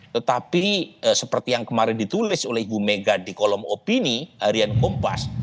tetapi seperti yang kemarin ditulis oleh ibu mega di kolom opini harian kompas